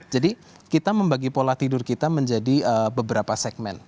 jadi kita membagi pola tidur kita menjadi segmen